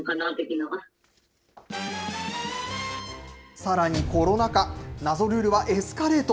さらにコロナ禍、謎ルールはエスカレート。